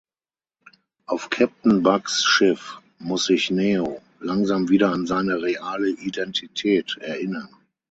Auf Captain Bugs’ Schiff muss sich Neo langsam wieder an seine reale Identität erinnern.